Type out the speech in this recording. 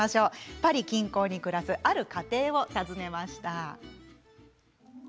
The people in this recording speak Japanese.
パリ近郊に暮らすある家庭を訪ねました。